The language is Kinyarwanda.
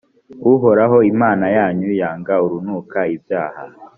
uhoraho imana yanyu yanga urunuka ibyaha.